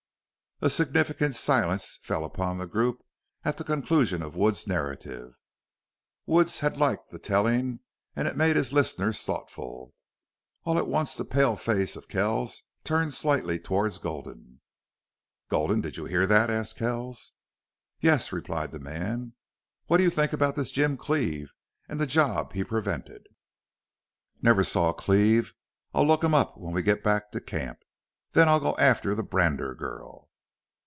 A significant silence fell upon the group at the conclusion of Wood's narrative. Wood had liked the telling, and it made his listeners thoughtful. All at once the pale face of Kells turned slightly toward Gulden. "Gulden, did you hear that?" asked Kells. "Yes," replied the man. "What do you think about this Jim Cleve and the job he prevented?" "Never saw Cleve. I'll look him up when we get back to camp. Then I'll go after the Brander girl."